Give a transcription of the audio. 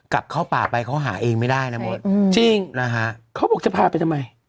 กลับเข้าป่าไปเขาหาเองไม่ได้นะมดจริงนะฮะเขาบอกจะพาไปทำไม